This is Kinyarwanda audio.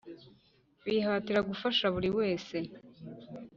Bihatira gufasha buri wese